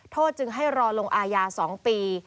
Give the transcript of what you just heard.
จึงให้รอลงอาญา๒ปี